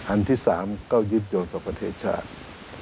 อันที่สามก็ยิดโยงกับประเทศชาติ